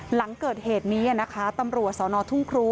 หลังเกิดเหตุนี้นะคะตำรวจสนทุ่งครู